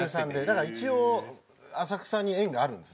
だから一応浅草に縁があるんです